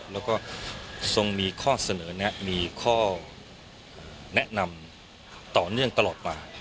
แล้วก็ทรงมีข้อเสนอแนะมีข้อแนะนำต่อเนื่องตลอดมา